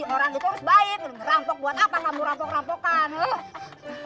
jadi orang itu harus baik merampok buat apa gak mau rampok rampokan